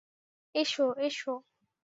এসো, এসো।